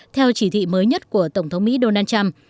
theo chỉ thị mới nhất của tổng thống mỹ donald trump